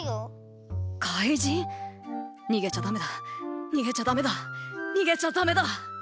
にげちゃダメだにげちゃダメだにげちゃダメだ。